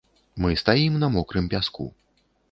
Мы стаім на мокрым пяску.